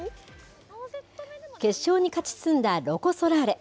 決勝に勝ち進んだロコ・ソラーレ。